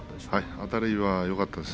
あたりがよかったです。